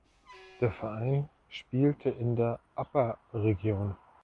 Der Verein spielte in der Upper Region.